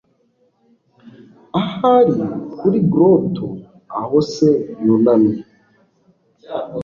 ahari kuri grotto aho se yunamye